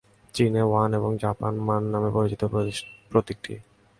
চীনে ওয়ান এবং জাপানে মান নামে পরিচিত প্রতীকটি।